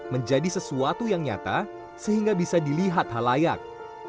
menjadi sesuatu yang nyata sehingga bisa dilihat halayak